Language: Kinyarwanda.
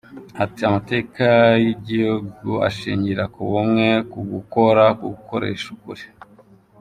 Ati “Amateka y’igihugu ashingira ku bumwe, ku gukora, ku gukoresha ukuri.